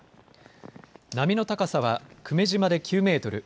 波の高さは、久米島で９メートル